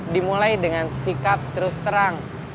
dimulai dengan sikap terus terang